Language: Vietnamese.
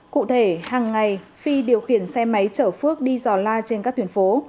cụ thể hằng ngày phi điều khiển xe máy chở phước đi dò la trên các tuyển phố